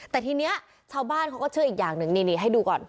แต่ทีนี้ชาวบ้านเขาก็เชื่ออีกอย่างหนึ่งนี่ให้ดูก่อน